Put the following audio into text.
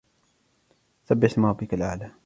سَبِّحِ اسْمَ رَبِّكَ الْأَعْلَى